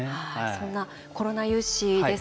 そんなコロナ融資